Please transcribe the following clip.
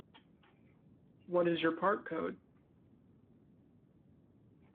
What is your part code?